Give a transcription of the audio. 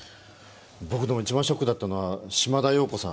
僕、一番ショックだったのは島田陽子さん。